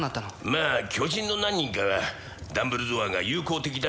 まあ巨人の何人かはダンブルドアが友好的だ